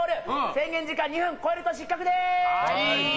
制限時間２分を超えると失格です。